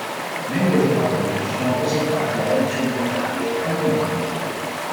Membri del partito si sono presentati a elezioni locali e cantonali.